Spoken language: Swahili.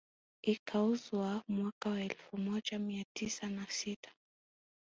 Ikauzwa mwaka wa elfu moja mia tisa na sita